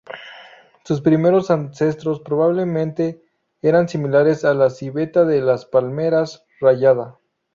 Sus primeros ancestros probablemente eran similares a la civeta de las palmeras rayada.